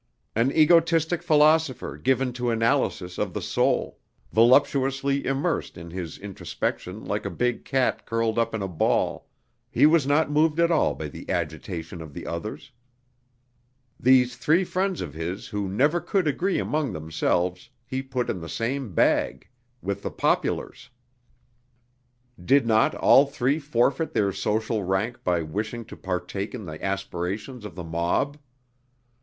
An egotistic philosopher given to analysis of the soul, voluptuously immersed in his introspection like a big cat curled up in a ball, he was not moved at all by the agitation of the others. These three friends of his who never could agree among themselves he put in the same bag with the "populars." Did not all three forfeit their social rank by wishing to partake in the aspirations of the mob?